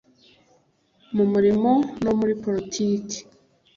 mu mirimo no muri politiki